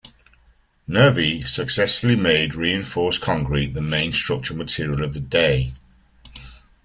Nervi successfully made reinforced concrete the main structural material of the day.